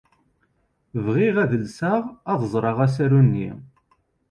Bɣiɣ ad alseɣ ad ẓreɣ asaru-nni.